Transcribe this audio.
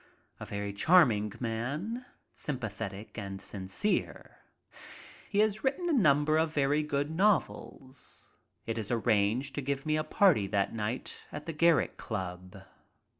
A very charming man, sympathetic and sincere. He has writen a number of very good novels. It is arranged to give me a party that night at the Garrick Club.